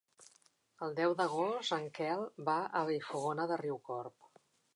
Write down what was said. El deu d'agost en Quel va a Vallfogona de Riucorb.